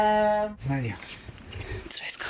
つらいっすか。